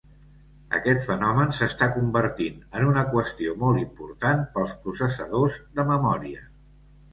Aquest fenomen s'està convertint en una qüestió molt important pels processadors de memòria.